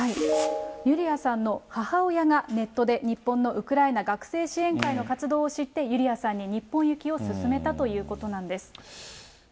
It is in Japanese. ユリアさんの母親がネットで日本のウクライナ学生支援会の活動を知って、ユリアさんに日本行きを勧めたということなんです。